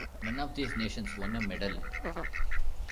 None of these nations won a medal.